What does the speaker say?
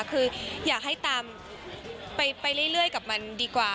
คืออยากให้ตามไปเรื่อยกับมันดีกว่า